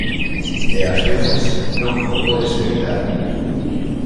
E ás veces, non o podes evitar.